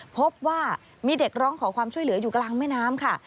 พบว่ามีเด็กร้องขอความช่วยเหลืออยู่กลางแม่น้ำค่ะ